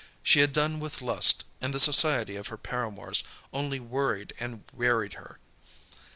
She had done with lust, and the society of her paramours only worried and wearied her.